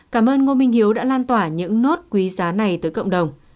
cảm ơn ngô minh hiếu đã lan tỏa những nốt quý giá này tới cộng đồng